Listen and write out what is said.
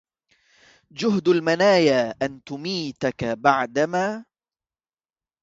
جهد المنايا أن تميتك بعدما